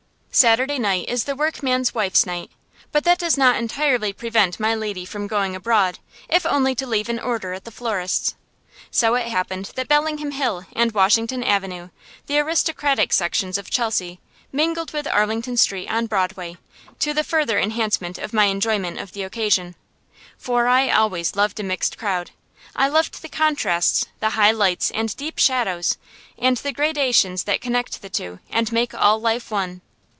Saturday night is the workman's wife's night, but that does not entirely prevent my lady from going abroad, if only to leave an order at the florist's. So it happened that Bellingham Hill and Washington Avenue, the aristocratic sections of Chelsea, mingled with Arlington Street on Broadway, to the further enhancement of my enjoyment of the occasion. For I always loved a mixed crowd. I loved the contrasts, the high lights and deep shadows, and the gradations that connect the two, and make all life one.